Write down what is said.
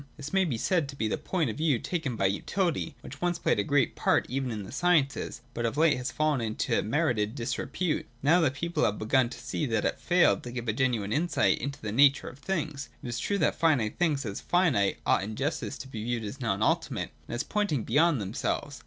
That may be said to be the point of view taken by Utility, which once 205, 2o6.] MEANS AND ENDS. 347 played a great part evep in the sciences, but of late has fallen into merited disrepute, now that people have begun to see that it failed to give a genuine insight into the nature of things. It is true that finite things as finite ought in justice to be viewed as non ultimate, and as pointing beyond them selves.